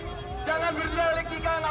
jangan berjual elektrikan nggak penting